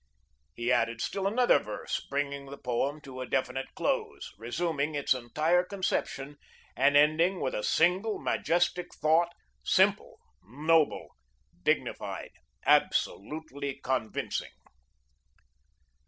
He added still another verse, bringing the poem to a definite close, resuming its entire conception, and ending with a single majestic thought, simple, noble, dignified, absolutely convincing.